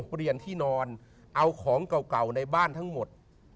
เปลี่ยนที่นอนเอาของเก่าในบ้านทั้งหมด